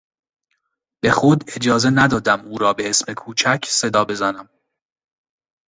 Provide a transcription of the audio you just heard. به خود اجازه ندادم او را به اسم کوچک صدا بزنم.